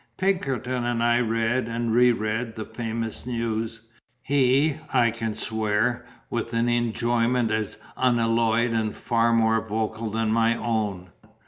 Pinkerton and I read and re read the famous news: he, I can swear, with an enjoyment as unalloyed and far more vocal than my own.